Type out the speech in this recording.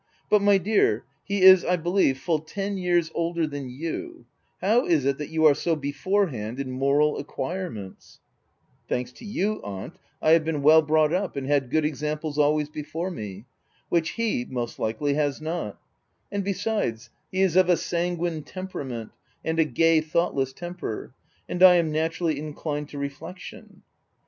But, my dear, he is, I believe, full ten years older than you — how is it that you are so before hand in moral acquirements T y "Thanks to you, aunt, I have been well brought up, and had good examples always before me, which he, most likely, has not ;— and besides, he is of a sanguine temperament, and a gay, thoughtless temper, and I am natu rally inclined to reflection.